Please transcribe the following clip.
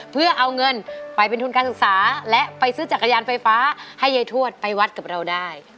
เพื่อเอาเงินไปเป็นทุนการศึกษาและไปซื้อจักรยานไฟฟ้าให้ยายทวดไปวัดกับเราได้